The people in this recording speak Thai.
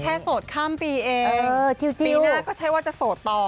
โสดข้ามปีเองปีหน้าก็ใช้ว่าจะโสดต่อ